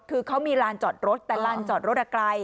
คือเขามีลานจอดรถแต่ลานจอดรถไกล